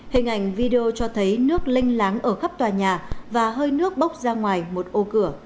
hình ảnh video cho thấy nước linh láng ở khắp tòa nhà và hơi nước bốc ra ngoài một ô cửa